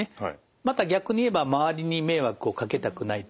また逆に言えば周りに迷惑をかけたくないと。